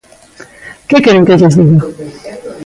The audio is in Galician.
¿Que queren que lles diga?